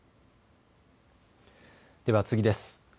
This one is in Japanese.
では次です。